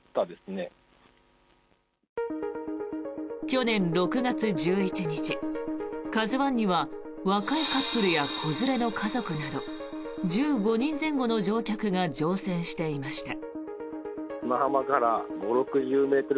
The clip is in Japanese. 去年６月１１日「ＫＡＺＵ１」には若いカップルや子連れの家族など１５人前後の乗客が乗船していました。